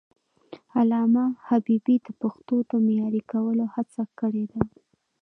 علامه حبيبي د پښتو د معیاري کولو هڅه کړې ده.